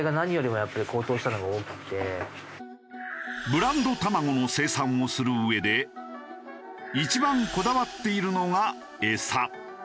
ブランド卵の生産をするうえで一番こだわっているのが餌。